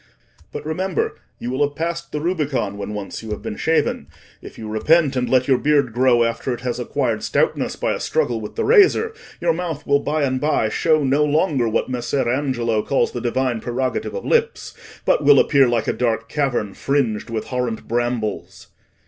But, remember, you will have passed the Rubicon, when once you have been shaven: if you repent, and let your beard grow after it has acquired stoutness by a struggle with the razor, your mouth will by and by show no longer what Messer Angelo calls the divine prerogative of lips, but will appear like a dark cavern fringed with horrent brambles."